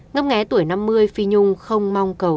ngóc ngé tuổi năm mươi phi nhung không mong cầu